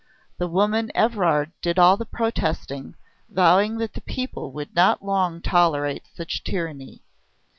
The woman Evrard did all the protesting, vowing that the people would not long tolerate such tyranny.